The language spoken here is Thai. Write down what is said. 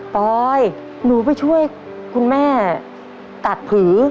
ปอยหนูไปช่วยคุณแม่ตัดผือ